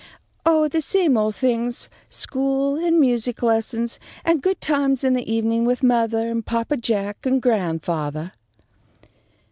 "Oh, the same old things: school and music lessons, and good times in the evenin' with mothah and papa Jack and grandfathah."